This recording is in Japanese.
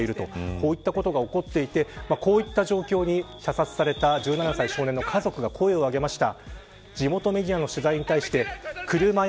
こういうことが起こっていてこういった状況に、射殺された１７歳の男の子の家族が声を上げました。